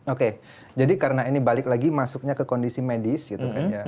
oke jadi karena ini balik lagi masuknya ke kondisi medis gitu kan ya